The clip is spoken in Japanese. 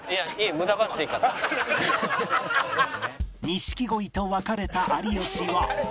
錦鯉と別れた有吉は